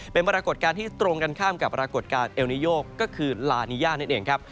เป็นปรากฏการณ์ที่ตรงกันข้ามกับปรากฏการณ์เอลนิโยก็คือลานีย่านั่นเองครับ